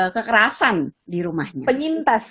kekerasan di rumahnya penyintas